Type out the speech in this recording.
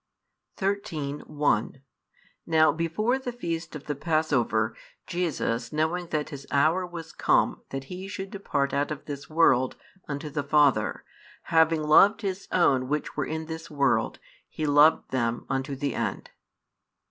xiii. 1 Now before the feast of the passover, Jesus knowing that His hour was come that He should depart out of this world unto the Father, having loved His own which were in this world, He loved them unto the end.